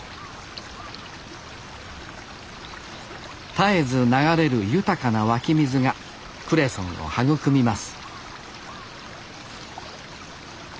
絶えず流れる豊かな湧き水がクレソンを育みます